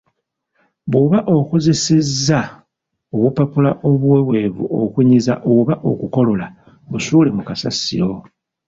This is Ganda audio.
Bw’oba okozesezza obupapula obuweweevu okunyiza oba okukolola, busuule mu kasasiro.